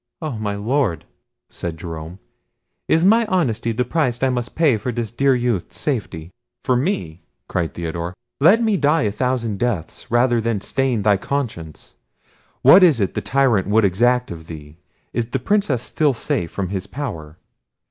"Oh! my Lord," said Jerome, "is my honesty the price I must pay for this dear youth's safety?" "For me!" cried Theodore. "Let me die a thousand deaths, rather than stain thy conscience. What is it the tyrant would exact of thee? Is the Princess still safe from his power?